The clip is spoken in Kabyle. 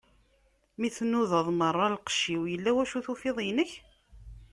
Mi tnudaḍ meṛṛa lqecc-iw, illa wacu i tufiḍ inek?